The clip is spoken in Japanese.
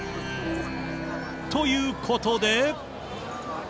ということで。